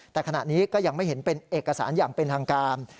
แต่ขณะนี้ก็ยังไม่เห็นเป็นเอกสารอย่างเป็นทางการ